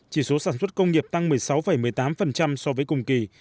chỉ số sản xuất công nghiệp tăng một mươi sáu một mươi tám so với cùng kỳ